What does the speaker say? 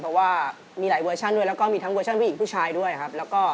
เพราะว่ามีหลายเวอร์ชั่นด้วยแล้วก็มีทั้งเวอร์ชั่นผู้หญิงผู้ชายด้วยครับแล้วก็